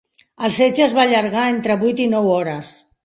El setge es va allargar entre vuit i nou hores.